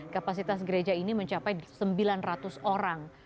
kapasitas gereja ini mencapai sembilan ratus orang